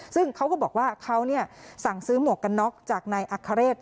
ซึ่งเขาก็บอกว่าเขาสั่งซื้อหมวกกันน็อกจากนายอัคเรศ